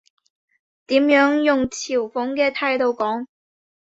點樣用嘲諷嘅態度講？